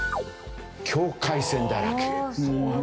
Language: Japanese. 境界線だらけ。